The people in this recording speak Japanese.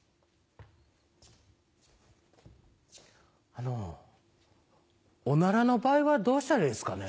あのおならの場合はどうしたらいいですかね？